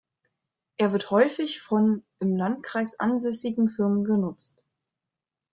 Er wird häufig von im Landkreis ansässigen Firmen genutzt.